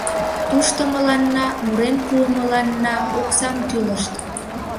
Тушто мыланна мурен пуымыланна оксам тӱлышт.